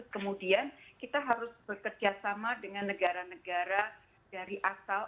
kemudian kita harus bekerjasama dengan negara negara dari asal